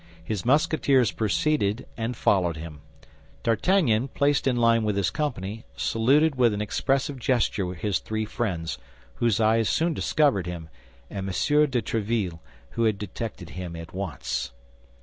His Musketeers proceeded and followed him. D'Artagnan, placed in line with his company, saluted with an expressive gesture his three friends, whose eyes soon discovered him, and M. de Tréville, who detected him at once.